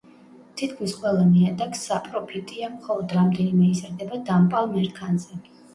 თითქმის ყველა ნიადაგს საპროფიტია, მხოლოდ რამდენიმე იზრდება დამპალ მერქანზე.